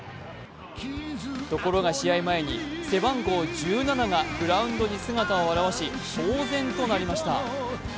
ところが試合前に背番号１７がグラウンドに姿を現し騒然となりました。